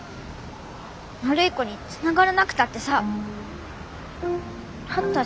悪い子につながらなくたってさなったじゃん。